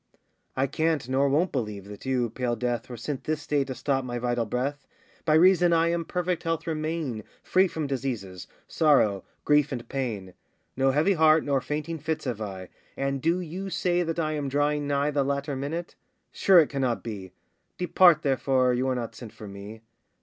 I can't nor won't believe that you, pale Death, Were sent this day to stop my vital breath, By reason I in perfect health remain, Free from diseases, sorrow, grief, and pain; No heavy heart, nor fainting fits have I, And do you say that I am drawing nigh The latter minute? sure it cannot be; Depart, therefore, you are not sent for me!